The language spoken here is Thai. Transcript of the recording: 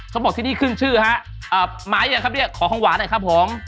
ต้องบอกที่นี่ขึ้นชื่อฮะเอ่อมายังไงครับเนี่ยของหวานหน่อยครับผม